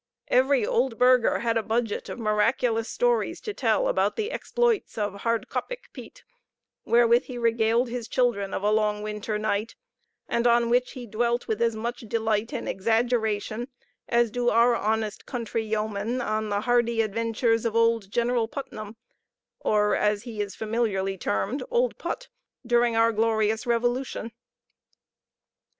Every old burgher had a budget of miraculous stories to tell about the exploits of Hardkoppig Piet, wherewith he regaled his children of a long winter night, and on which he dwelt with as much delight and exaggeration as do our honest country yeomen on the hardy adventures of old General Putnam (or, as he is familiarly termed, Old Put) during our glorious revolution.